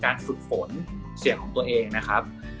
ฝึกฝนเสียงของตัวเองนะครับ